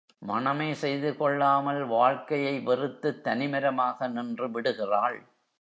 மணமே செய்து கொள்ளாமல் வாழ்க்கையை வெறுத்துத் தனிமரமாகி நின்று விடுகிறாள்.